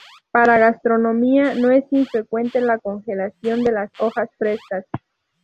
Para gastronomía no es infrecuente la congelación de las hojas frescas.